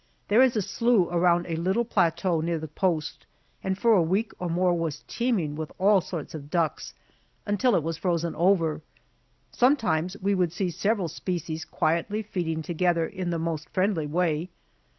There is a slough around a little plateau near the post, and for a week or more this was teeming with all kinds of ducks, until it was frozen over. Sometimes we would see several species quietly feeding together in the most friendly way.